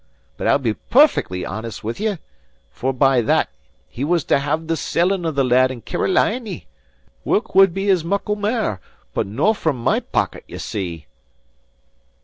But I'll be perfec'ly honest with ye: forby that, he was to have the selling of the lad in Caroliny, whilk would be as muckle mair, but no from my pocket, ye see."